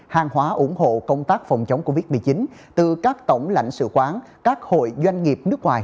hàng hóa ủng hộ công tác phòng chống covid một mươi chín từ các tổng lãnh sự quán các hội doanh nghiệp nước ngoài